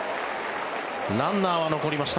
ランナーは残りました